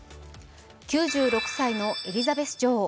９６歳のエリザベス女王。